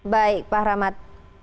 baik pak ramad